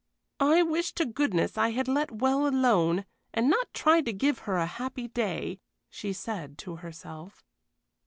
"I wish to goodness I had let well alone, and not tried to give her a happy day," she said to herself.